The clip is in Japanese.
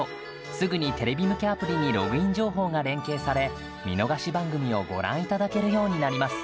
すぐにテレビ向けアプリにログイン情報が連携され見逃し番組をご覧いただけるようになります。